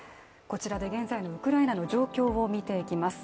こちらで現在のウクライナの状況を見ていきます。